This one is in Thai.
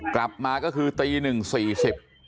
กลับมาก็คือตีหนึ่งสี่สิบ